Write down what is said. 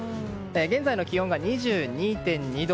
現在の気温が２２．２度。